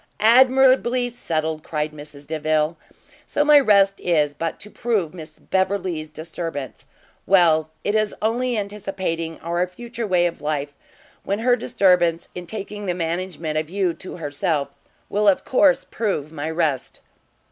"Admirably settled!" cried Mrs Delvile: "so my rest is but to prove Miss Beverley's disturbance! Well, it is only anticipating our future way of life, when her disturbance, in taking the management of you to herself, will of course prove my rest."